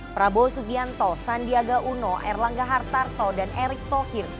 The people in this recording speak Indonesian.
prabowo subianto sandiaga uno erlangga hartarto dan erick thohir